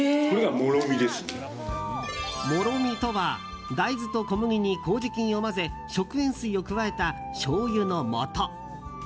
もろみとは大豆と小麦に麹菌を混ぜ、食塩水を加えたしょうゆのもと。